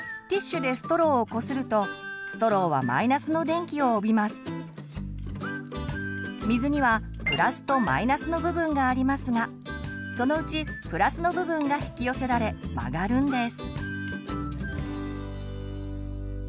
ティッシュでストローをこすると水にはプラスとマイナスの部分がありますがそのうちプラスの部分が引き寄せられ曲がるんです。